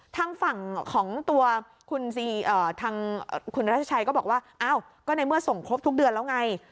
ทางฝั่งของตัวคุณทางคุณรัชชัยก็บอกว่าอ้าวก็ในเมื่อส่งครบทุกเดือนแล้วไง